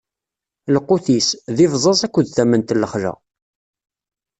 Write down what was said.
Lqut-is, d ibẓaẓ akked tament n lexla.